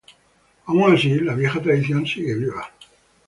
Aun así, la vieja tradición sigue viva.